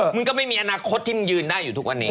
มันก็ไม่มีอนาคตที่มันยืนได้อยู่ทุกวันนี้